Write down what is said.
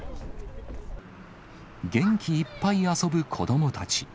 元気いっぱい遊ぶ子どもたち。